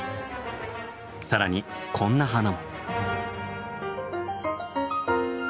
更にこんな花も。